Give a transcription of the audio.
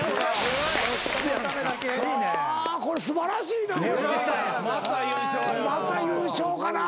これ素晴らしいな。